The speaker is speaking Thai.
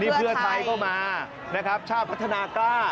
เพื่อไทยก็มานะครับชาติพัฒนากล้า